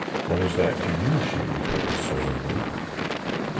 "What is that to you?" she retorted sullenly.